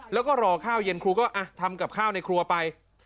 แล้วก็รอข้าวเย็นครูก็ทำกับข้าวในครัวไป